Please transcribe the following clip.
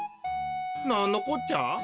なんのこっちゃ？